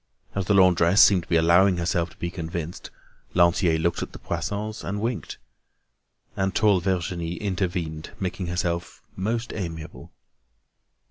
As the laundress seemed to be allowing herself to be convinced, Lantier looked at the Poissons and winked. And tall Virginie intervened, making herself most amiable.